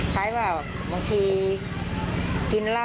คล้ายว่าบางทีกินเหล้า